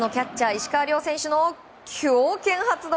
石川亮選手の強肩発動！